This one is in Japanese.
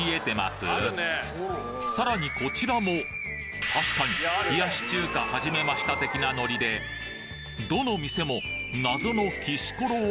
さらにこちらも確かに冷やし中華はじめました的なノリで実はこの「きしころ」こそ